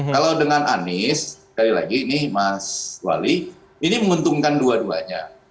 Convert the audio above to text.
kalau dengan anies sekali lagi ini mas wali ini menguntungkan dua duanya